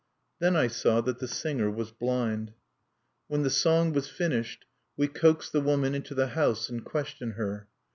Then I saw that the singer was blind. When the song was finished, we coaxed the woman into the house, and questioned her.